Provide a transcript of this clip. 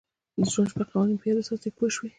د ژوند شپږ قوانین په یاد وساتئ پوه شوې!.